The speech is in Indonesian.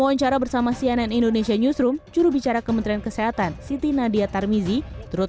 wawancara bersama cnn indonesia newsroom jurubicara kementerian kesehatan siti nadia tarmizi turut